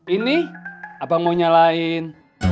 ini abang mau nyalain